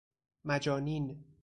مجانین